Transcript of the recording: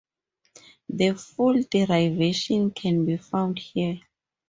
The full derivation can be found here.